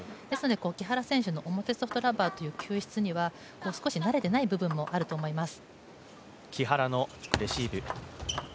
木原選手の表ソフトラバーという球質には少し慣れてない部分もあると思います。